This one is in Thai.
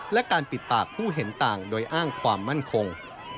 และการปิดปากผู้เห็นต่างโดยอ้างความมั่นคง